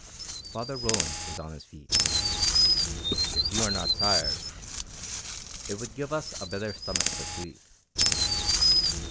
Father Roland was on his feet. "If you are not tired. It would give us a better stomach for sleep."